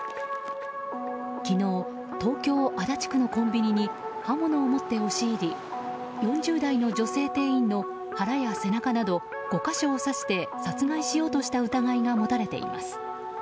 昨日、東京・足立区のコンビニに刃物を持って押し入り４０代の女性店員の腹や背中など５か所を刺して殺害しようとした疑いが持たれています。